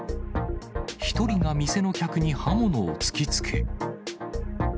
１人が店の客に刃物を突きつけ。